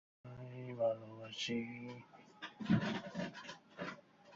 যুক্তিসঙ্গত দর্শনের মতে, নকশা একটি প্রত্যাশিত ও নিয়ন্ত্রিত পদ্ধতি যা গবেষণা ও জ্ঞান দ্বারা অবগত।